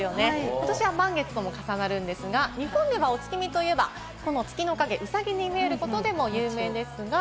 ことしは満月とも重なるんですが、日本ではお月見といえば、月の影がウサギに見えることでも有名です。